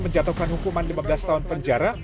menjatuhkan hukuman lima belas tahun penjara